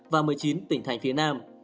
và một mươi chín tỉnh thành phía nam